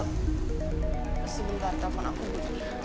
sebentar telepon aku dulu